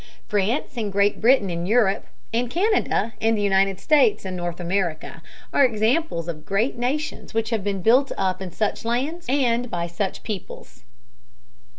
France and Great Britain in Europe, and Canada and the United States in North America, are examples of great nations which have been built up in such lands and by such peoples.